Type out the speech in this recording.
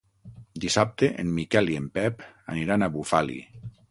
Dissabte en Miquel i en Pep aniran a Bufali.